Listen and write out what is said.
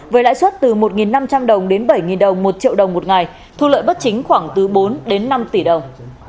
với lãi suất từ một năm trăm linh đồng đến bảy đồng một triệu đồng một ngày thu lợi bất chính khoảng từ bốn đến năm tỷ đồng